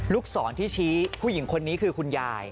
ศรที่ชี้ผู้หญิงคนนี้คือคุณยาย